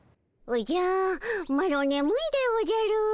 おじゃマロねむいでおじゃる。